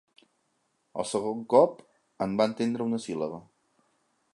El segon cop en va entendre una síl·laba.